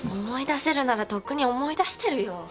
思い出せるならとっくに思い出してるよ。